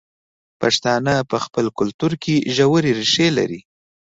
پښتانه په خپل کلتور کې ژورې ریښې لري.